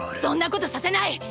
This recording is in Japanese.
そんなことさせない！！